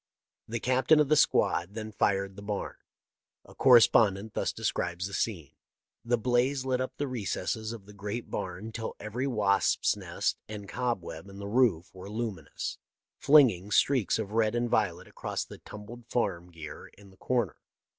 The captain of the squad then fired the barn. A correspondent thus describes the scene :"' The blaze lit up the recesses of the great barn till every wasp's nest and cobweb in the roof were luminous, flinging streaks of red and violet across the tumbled farm gear in the corner.